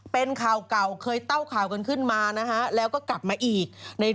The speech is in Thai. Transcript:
เป็นข่าวเก่าเคยเต้าข่าวกันขึ้นมานะฮะแล้วก็กลับมาอีก